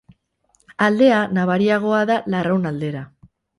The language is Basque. Aldea nabariagoa da Larraun aldera.